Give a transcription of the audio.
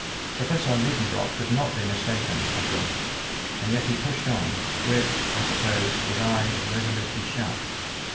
Professor Liedenbrock could not be mistaken, I thought, and yet he pushed on, with, I suppose, his eyes resolutely shut.